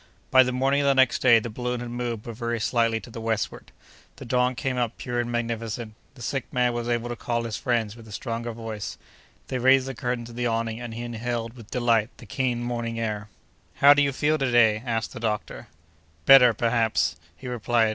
By the morning of the next day, the balloon had moved, but very slightly, to the westward. The dawn came up pure and magnificent. The sick man was able to call his friends with a stronger voice. They raised the curtains of the awning, and he inhaled with delight the keen morning air. "How do you feel to day?" asked the doctor. "Better, perhaps," he replied.